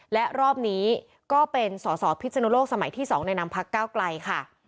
และรอบนี้ก็เป็นสอสอพิศนุโลกสมัยที่๒ในนามพักเก้าไกลค่ะ